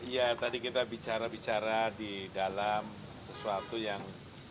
ya tadi kita bicara bicara di dalam sesuatu yang